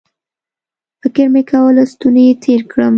فکر مې کاوه له ستوني یې تېر کړم